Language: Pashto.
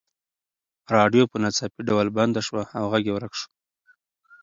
راډیو په ناڅاپي ډول بنده شوه او غږ یې ورک شو.